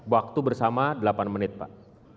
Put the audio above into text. waktu bersama delapan menit pak